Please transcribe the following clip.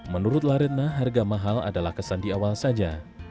menurut laretna harga mahal adalah kesan di awal saja